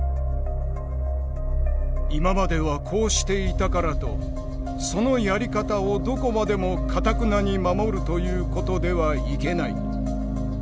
「今まではこうしていたからとそのやり方をどこまでもかたくなに守るということではいけない。